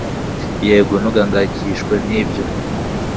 yego, ntugahangayikishwe nibyo